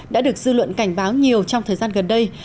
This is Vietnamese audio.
đã được dư luận cảnh báo nhiều trong thời gian gần đây